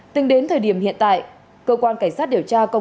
từng đến thời điểm hiện tại cơ quan cảnh sát điều tra công